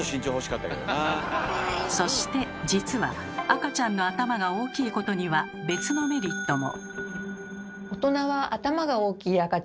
そして実は赤ちゃんの頭が大きいことには別のメリットも。